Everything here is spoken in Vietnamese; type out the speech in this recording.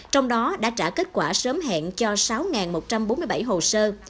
trong đó đã trả kết quả sớm hẹn cho sáu một trăm bốn mươi bảy hồ sơ